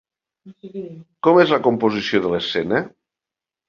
Com és la composició de l'escena?